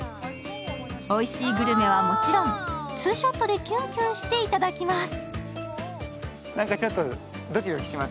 おいしいグルメはもちろん、ツーショットでキュンキュンしていただきます。